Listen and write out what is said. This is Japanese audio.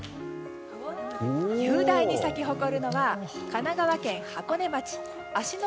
雄大に咲き誇るのは神奈川県箱根町芦ノ